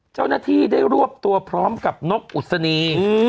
เจ้าหน้าที่ได้รวบตัวพร้อมกับนกอุศนี